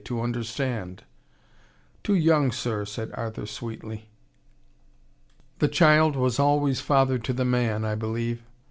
to understand." "Too young, sir," said Arthur sweetly. "The child was always father to the man, I believe."